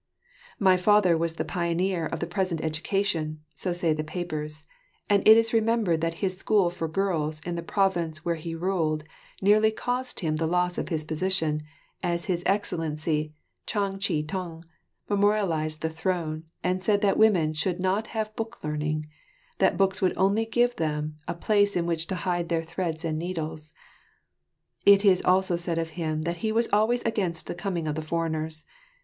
My father was the pioneer of the present education, so say the papers, and it is remembered that his school for girls in the province where he ruled, nearly caused him the loss of his position, as His Excellency, Chang Chih tung, memorialised the throne and said that women should not have book learning; that books would only give them a place in which to hide their threads and needles. It is also said of him that he was always against the coming of the foreigners.